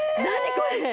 これ！